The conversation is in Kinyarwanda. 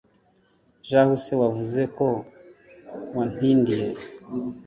shahu se wavuze ko wantindiye